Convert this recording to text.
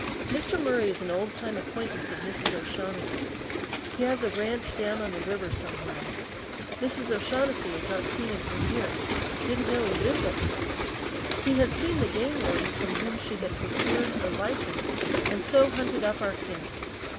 Mr. Murry is an old time acquaintance of Mrs. O'Shaughnessy's. He has a ranch down on the river somewhere. Mrs. O'Shaughnessy has not seen him for years, didn't know he lived up here. He had seen the game warden from whom she had procured her license, and so hunted up our camp.